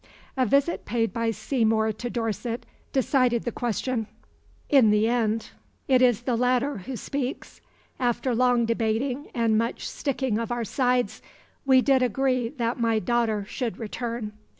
A visit paid by Seymour to Dorset decided the question. "In the end" it is the latter who speaks "after long debating and much sticking of our sides, we did agree that my daughter should return."